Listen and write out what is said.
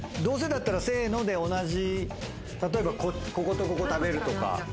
どうせだったらせので同じ例えばこことここ食べるとか。